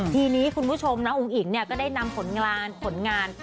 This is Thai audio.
ทีนี้คุณผู้ชมน้องอุ้งอิ๋งก็ได้นำผลงานผลงาน